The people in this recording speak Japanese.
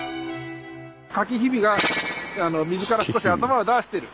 かきひびが水から少し頭を出してる。